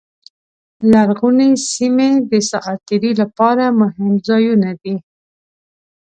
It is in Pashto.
لرغونې سیمې د ساعت تېرۍ لپاره مهم ځایونه دي.